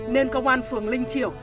nên công an phường linh triểu